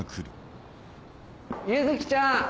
結月ちゃん。